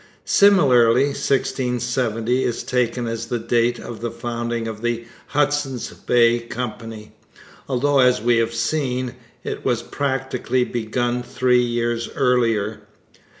Similarly 1670 is taken as the date of the founding of the Hudson's Bay Company, although, as we have seen, it was practically begun three years earlier.